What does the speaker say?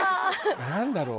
何だろう